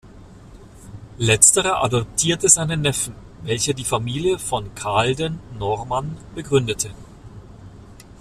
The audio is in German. Letzterer adoptierte seinen Neffen, welcher die Familie "von Kahlden-Normann" begründete.